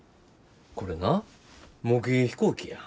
これな模型飛行機や。